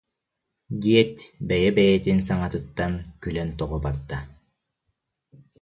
диэт, бэйэтэ-бэйэтин саҥатыттан күлэн тоҕо барда